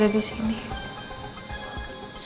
saya ditelepon pihak kepolisian untuk dimintai keterangan